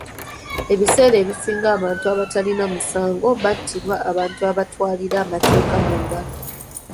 Ebiseera ebisinga abantu abatalina musango battibwa abantu abatwalira amateeka mu ngalo.